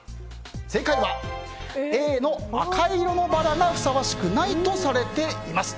正解はＡの赤色のバラがふさわしくないとされています。